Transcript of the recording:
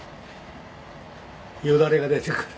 「よだれが出てくる。